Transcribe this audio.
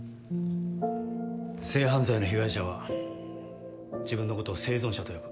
性犯罪の被害者は自分のことを「生存者」と呼ぶ。